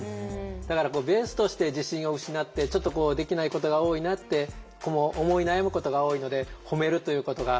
だからベースとして自信を失ってちょっとできないことが多いなって思い悩むことが多いので褒めるということが特に大事で。